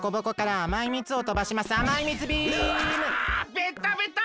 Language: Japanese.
ベッタベタ！